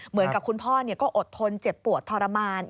เหมือนกับคุณพ่อก็อดทนเจ็บปวดทรมาน